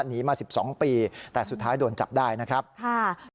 หนีมา๑๒ปีแต่สุดท้ายโดนจับได้นะครับค่ะ